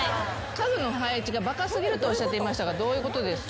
家具の配置がバカすぎるとおっしゃっていましたがどういうことですか？